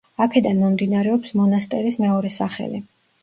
აქედან მომდინარეობს მონასტერის მეორე სახელი.